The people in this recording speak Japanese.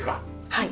はい。